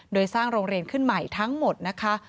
โดยสร้างโรงเรียนขึ้นใหม่ทั้งหมดนะคะ